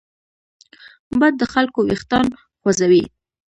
باد د خلکو وېښتان خوځوي